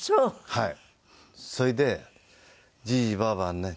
はい。